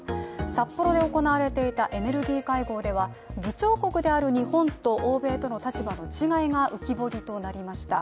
札幌で行われていたエネルギー会合では議長国である日本と欧米との立場の違いが浮き彫りとなりました。